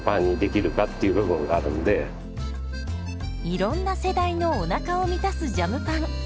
いろんな世代のおなかを満たすジャムパン。